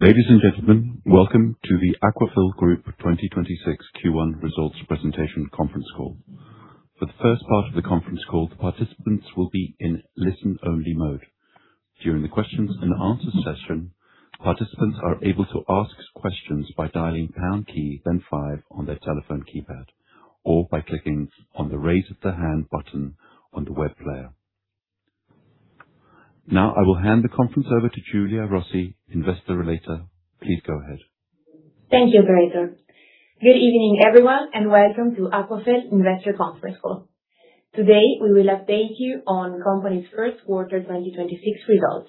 Ladies and gentlemen, welcome to the Aquafil Group 2026 Q1 results presentation conference call. For the first part of the conference call, participants will be in listen-only mode. During the questions and answer session, participants are able to ask questions by dialing pound key, then five on their telephone keypad, or by clicking on the raise the hand button on the web player. Now I will hand the conference over to Giulia Rossi, Investor Relator. Please go ahead. Thank you, operator. Good evening, everyone, and welcome to Aquafil Investor Conference Call. Today, we will update you on the company's first quarter 2026 results.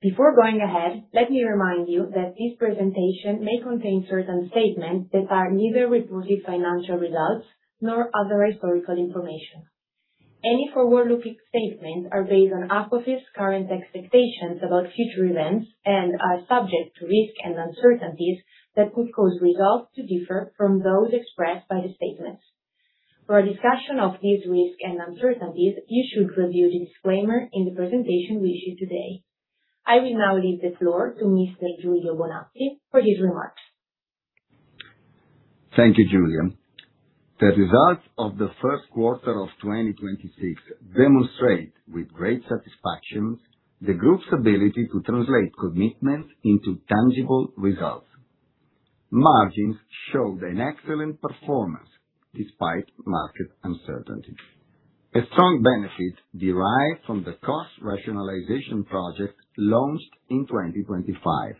Before going ahead, let me remind you that this presentation may contain certain statements that are neither retrospective financial results nor other historical information. Any forward-looking statements are based on Aquafil's current expectations about future events and are subject to risks and uncertainties that could cause results to differ from those expressed by the statements. For a discussion of these risks and uncertainties, you should review the disclaimer in the presentation we issue today. I will now leave the floor to Mr. Giulio Bonazzi for his remarks. Thank you, Giulia. The results of the first quarter of 2026 demonstrate, with great satisfaction, the group's ability to translate commitments into tangible results. Margins showed an excellent performance despite market uncertainty. A strong benefit derived from the cost rationalization project launched in 2025.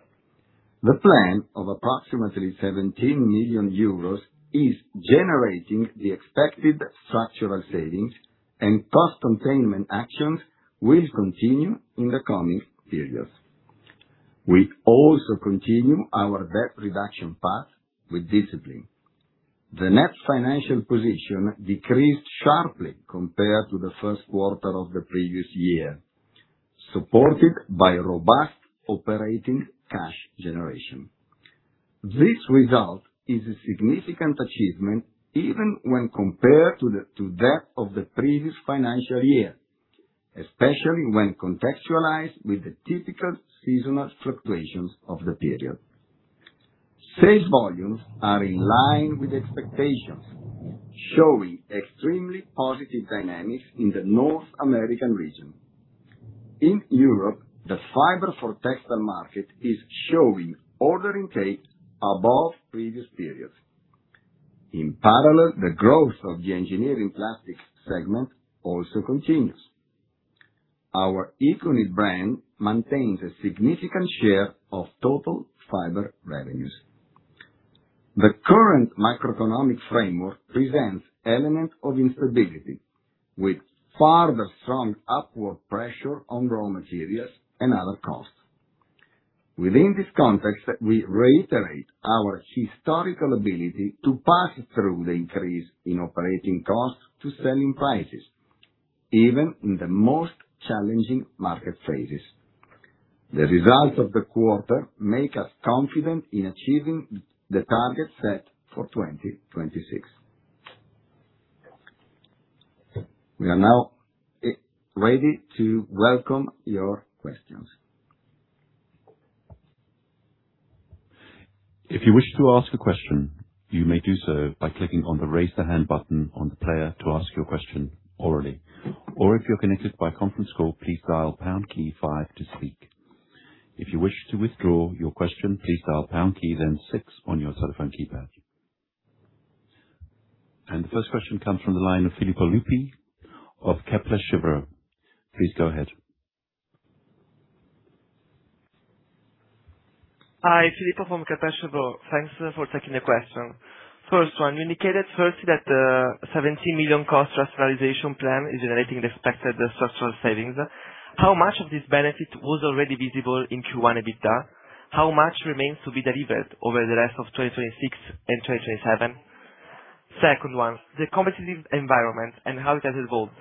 The plan of approximately 17 million euros is generating the expected structural savings, and cost containment actions will continue in the coming periods. We also continue our debt reduction path with discipline. The Net Financial Position decreased sharply compared to the first quarter of the previous year, supported by robust operating cash generation. This result is a significant achievement even when compared to that of the previous financial year, especially when contextualized with the typical seasonal fluctuations of the period. Sales volumes are in line with expectations, showing extremely positive dynamics in the North American region. In Europe, the fiber for textile market is showing ordering pace above previous periods. In parallel, the growth of the engineering plastics segment also continues. Our ECONYL brand maintains a significant share of total fiber revenues. The current microeconomic framework presents elements of instability with further strong upward pressure on raw materials and other costs. Within this context, we reiterate our historical ability to pass through the increase in operating costs to selling prices, even in the most challenging market phases. The results of the quarter make us confident in achieving the target set for 2026. We are now ready to welcome your questions. If you wish to ask a question, you may do so by clicking on the raise the hand button on the player to ask your question orally. Or if you're connected by conference call, please dial pound key five to speak. If you wish to withdraw your question, please dial pound key then six on your telephone keypad. The first question comes from the line of Filippo Lupi of Kepler Cheuvreux. Please go ahead. Hi. Filippo from Kepler Cheuvreux. Thanks for taking the question. First one. You indicated firstly that the 17 million cost rationalization plan is generating the expected structural savings. How much of this benefit was already visible in Q1 EBITDA? How much remains to be delivered over the rest of 2026 and 2027? Second one, the competitive environment and how it has evolved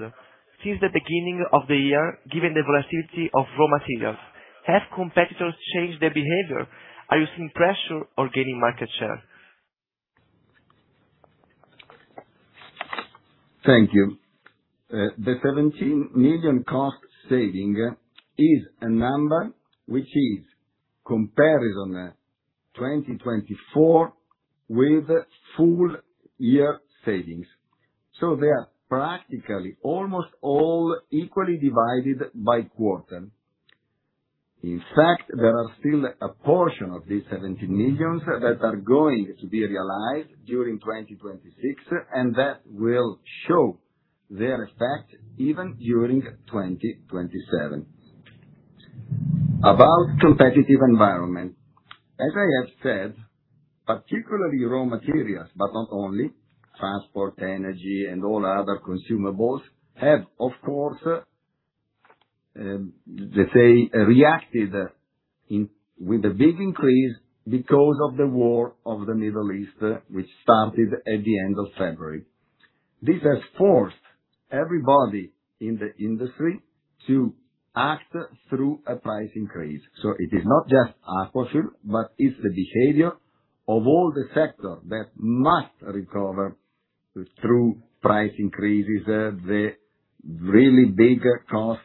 since the beginning of the year, given the volatility of raw materials. Have competitors changed their behavior? Are you seeing pressure or gaining market share? Thank you. The 17 million cost saving is a number which is comparison 2024 with full year savings. They are practically almost all equally divided by quarter. In fact, there are still a portion of these 17 million that are going to be realized during 2026. That will show their effect even during 2027. About competitive environment, as I have said, particularly raw materials, but not only, transport, energy and all other consumables have, of course, let's say, reacted with a big increase because of the war of the Middle East, which started at the end of February. This has forced everybody in the industry to act through a price increase. It is not just Aquafil, but it's the behavior of all the sector that must recover through price increases, the really big cost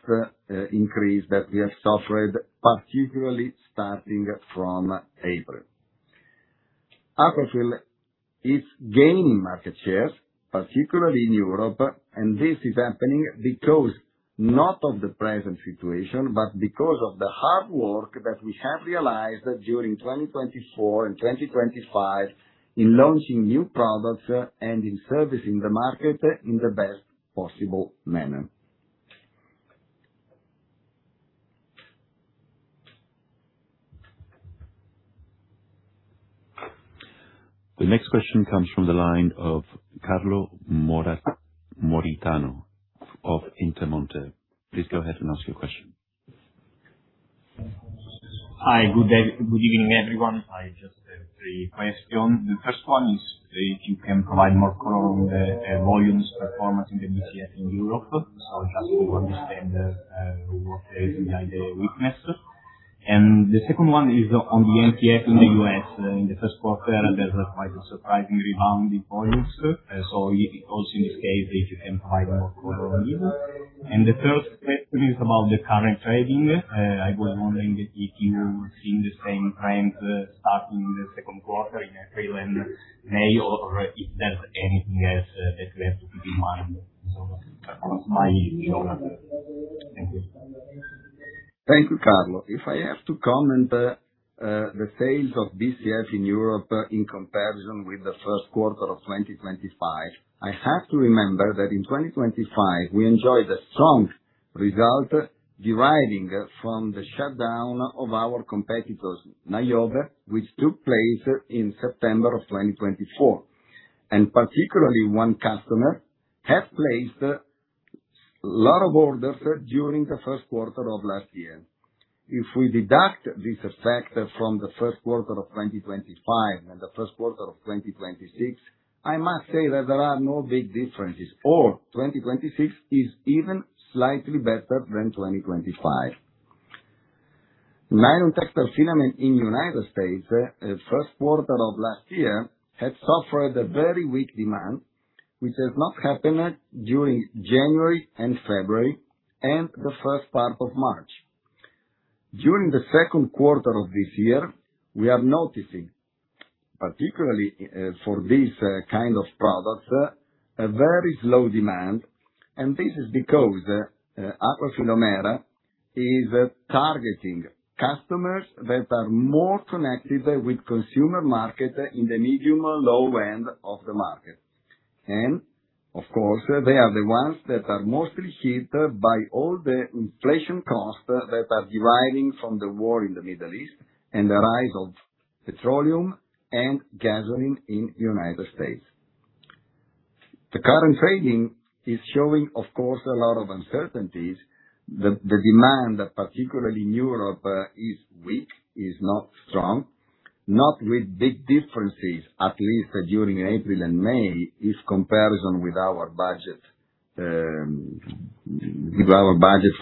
increase that we have suffered, particularly starting from April. Aquafil is gaining market shares, particularly in Europe. This is happening because not of the present situation, but because of the hard work that we have realized during 2024 and 2025 in launching new products and in servicing the market in the best possible manner. The next question comes from the line of Carlo Maritano of Intermonte. Please go ahead and ask your question. Hi. Good evening, everyone. I just have three questions. The first one is if you can provide more color on the volumes performance in the BCF in Europe, just to understand what is behind the weakness. The second one is on the NTF in the U.S. In the first quarter, there's quite a surprising rebound in volumes. Also in this case, if you can provide more color on this. The third question is about the current trading. I was wondering if you were seeing the same trend starting in the second quarter, in April and May, or if there's anything else that we have to keep in mind. Thank you. Thank you, Carlo. If I have to comment, the sales of BCF in Europe in comparison with the first quarter of 2025, I have to remember that in 2025, we enjoyed a strong result deriving from the shutdown of our competitor's nyoba, which took place in September of 2024. Particularly one customer had placed a lot of orders during the first quarter of last year. If we deduct this effect from the first quarter of 2025 and the first quarter of 2026, I must say that there are no big differences, or 2026 is even slightly better than 2025. Nylon Textile Filament in the United States, the first quarter of last year, had suffered a very weak demand, which has not happened during January and February and the first part of March. During the second quarter of this year, we are noticing, particularly for this kind of product, a very slow demand, and this is because Aquafil USA is targeting customers that are more connected with consumer market in the medium or low end of the market. Of course, they are the ones that are mostly hit by all the inflation costs that are deriving from the war in the Middle East and the rise of petroleum and gasoline in the United States. The current trading is showing, of course, a lot of uncertainties. The demand, particularly in Europe, is weak, is not strong. Not with big differences, at least during April and May, in comparison with our budget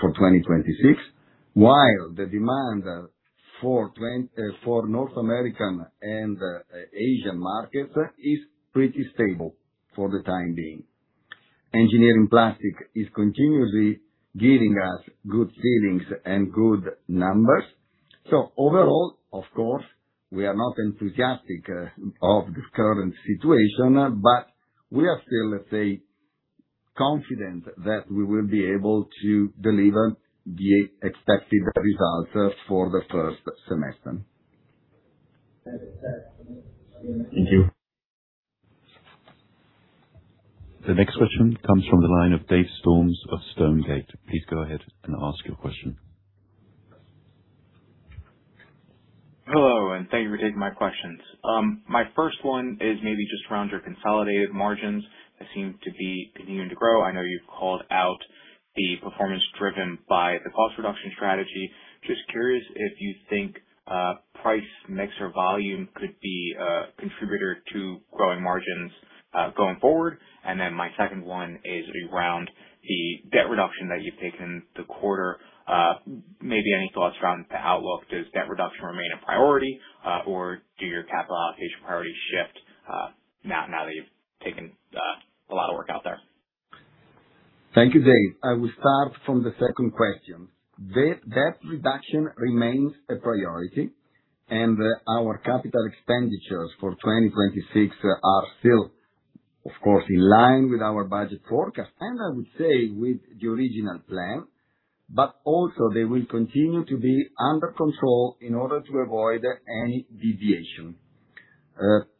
for 2026. While the demand for North American and Asian markets is pretty stable for the time being. engineering plastics is continuously giving us good feelings and good numbers. Overall, of course, we are not enthusiastic of the current situation, we are still, let's say, confident that we will be able to deliver the expected results for the first semester. Thank you. The next question comes from the line of Dave Storms of Stonegate. Please go ahead and ask your question. Hello, thank you for taking my questions. My first one is maybe just around your consolidated margins. They seem to be continuing to grow. I know you've called out the performance driven by the cost reduction strategy. Just curious if you think price mix or volume could be a contributor to growing margins going forward? My second one is around the debt reduction that you've taken the quarter. Maybe any thoughts around the outlook? Does debt reduction remain a priority or do your capital allocation priorities shift now that you've taken a lot of work out there? Thank you, Dave. I will start from the second question. Debt reduction remains a priority. Our capital expenditures for 2026 are still, of course, in line with our budget forecast. I would say with the original plan, also they will continue to be under control in order to avoid any deviation.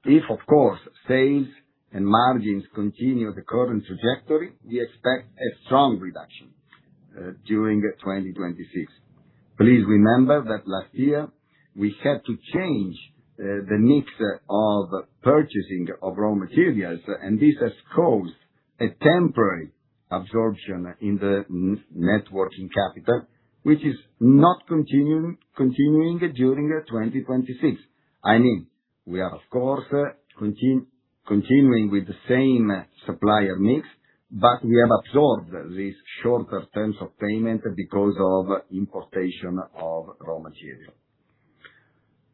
If, of course, sales and margins continue the current trajectory, we expect a strong reduction during 2026. Please remember that last year we had to change the mix of purchasing of raw materials. This has caused a temporary absorption in the net working capital, which is not continuing during 2026. We are, of course, continuing with the same supplier mix, we have absorbed these shorter terms of payment because of importation of raw material.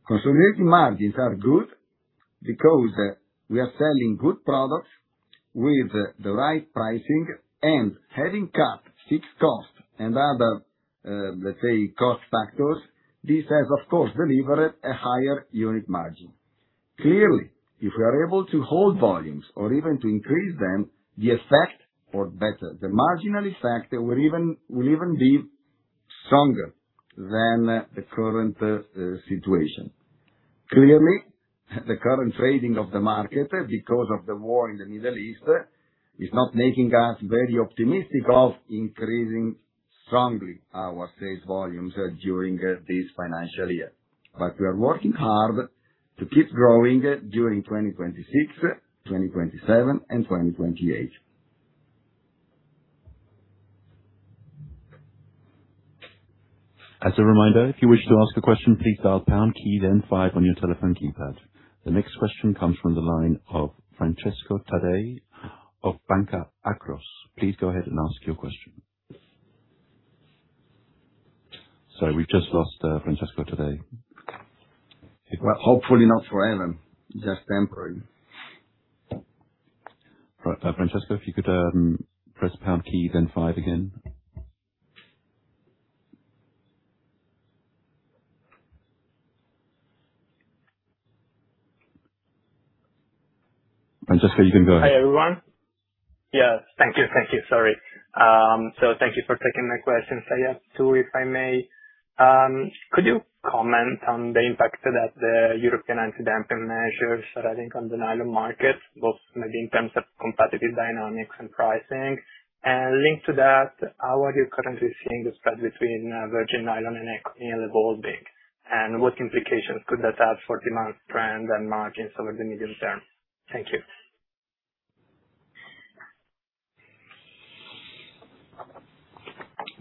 Consolidating margins are good because we are selling good products with the right pricing and having cut fixed costs and other, let's say, cost factors. This has, of course, delivered a higher unit margin. Clearly, if we are able to hold volumes or even to increase them, the effect or better, the marginal effect will even be stronger than the current situation. Clearly, the current trading of the market, because of the war in the Middle East, is not making us very optimistic of increasing strongly our sales volumes during this financial year. We are working hard to keep growing during 2026, 2027, and 2028. As a reminder, if you wish to ask a question, please dial pound key, then five on your telephone keypad. The next question comes from the line of Francesco Taddei of Banca Akros. Please go ahead and ask your question. Sorry, we've just lost Francesco Taddei. Well, hopefully not forever, just temporary. Francesco, if you could press pound key, then five again. Francesco, you can go ahead. Hi, everyone. Yeah. Thank you. Sorry. Thank you for taking my questions. I have two, if I may. Could you comment on the impact that the European anti-dumping measures are having on the nylon markets, both maybe in terms of competitive dynamics and pricing? Linked to that, how are you currently seeing the spread between virgin nylon and ECONYL evolving, and what implications could that have for demand trend and margins over the medium term?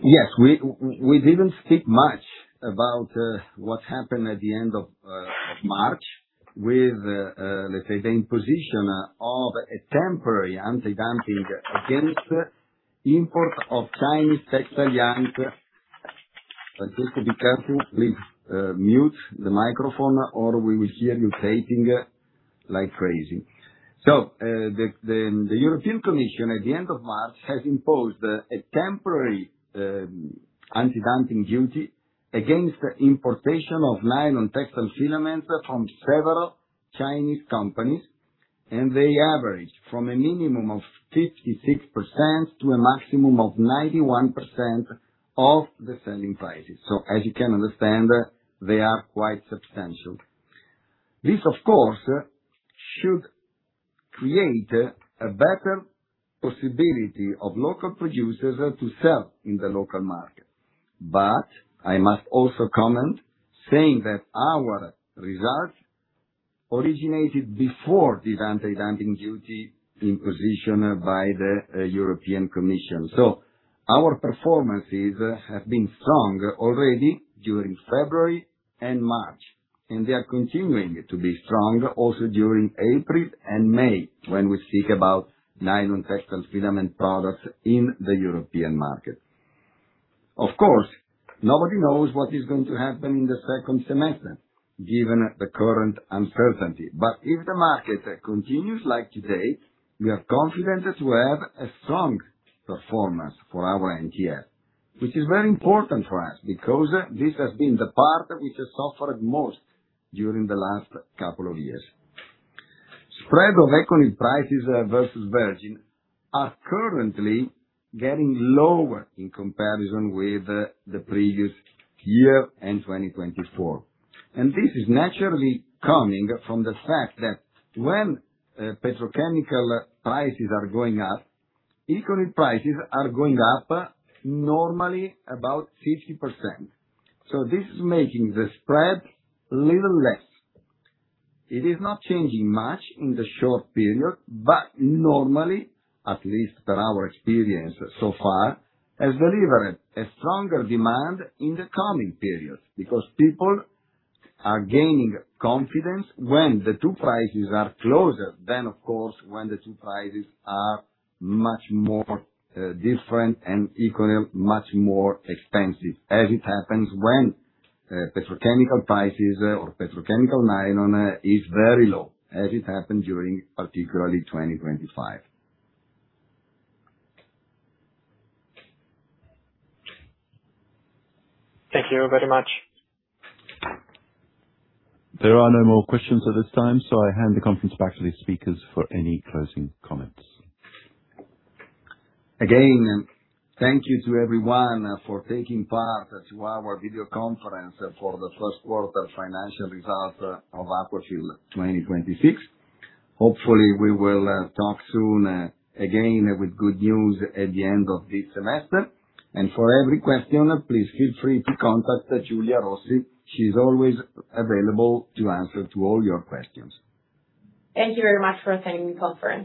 Thank you. Yes. We didn't speak much about what happened at the end of March with, let's say, the imposition of a temporary anti-dumping against import of Chinese textile yarns. Francesco, be careful. Please mute the microphone or we will hear you typing like crazy. The European Commission at the end of March has imposed a temporary anti-dumping duty against the importation of nylon textile filaments from several Chinese companies, and they average from a minimum of 56% to a maximum of 91% of the selling prices. As you can understand, they are quite substantial. This of course, should create a better possibility of local producers to sell in the local market. I must also comment saying that our results originated before this anti-dumping duty imposition by the European Commission. Our performances have been strong already during February and March, and they are continuing to be strong also during April and May, when we speak about nylon textile filament products in the European market. Of course, nobody knows what is going to happen in the second semester given the current uncertainty. If the market continues like today, we are confident to have a strong performance for our end year. Which is very important for us because this has been the part which has suffered most during the last couple of years. Spread of ECONYL prices versus virgin are currently getting lower in comparison with the previous year and 2024. This is naturally coming from the fact that when petrochemical prices are going up, ECONYL prices are going up normally about 50%. This is making the spread a little less. It is not changing much in the short period. Normally, at least per our experience so far, has delivered a stronger demand in the coming period because people are gaining confidence when the two prices are closer than, of course, when the two prices are much more different and equal, much more expensive, as it happens when petrochemical prices or petrochemical nylon is very low, as it happened during particularly 2025. Thank you very much. There are no more questions at this time. I hand the conference back to the speakers for any closing comments. Again, thank you to everyone for taking part to our video conference for the first quarter financial results of Aquafil 2026. Hopefully, we will talk soon again with good news at the end of this semester. For every question, please feel free to contact Giulia Rossi. She's always available to answer to all your questions. Thank you very much for attending this conference.